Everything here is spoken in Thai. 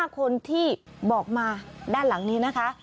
๕คนที่บอกมาด้านหลังนี้นะคะ